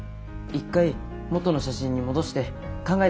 一回元の写真に戻して考えてみよう。